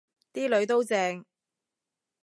啲囡都正